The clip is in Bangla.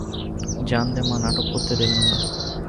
জানালে মা নাটক করতে দেবেন না।